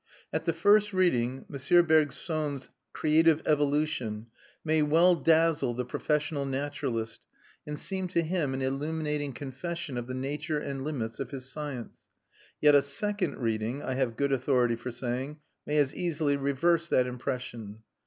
At the first reading, M. Bergson's Evolution Créatrice may well dazzle the professional naturalist and seem to him an illuminating confession of the nature and limits of his science; yet a second reading, I have good authority for saying, may as easily reverse that impression.